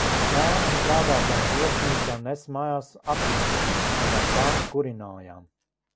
Lēna, strādādama viesnīcā, nesa mājās akmeņogles un ar tām kurinājām.